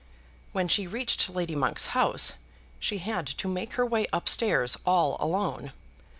When she reached Lady Monk's house, she had to make her way up stairs all alone.